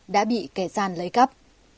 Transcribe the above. đã bị kẻ gian lấy cắp